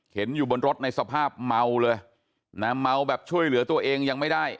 เห็นอยู่บนรถในสภาพเมาเลยนะเมาแบบช่วยเหลือตัวเองยังไม่ได้